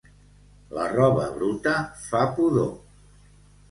La roba bruta fa pudor.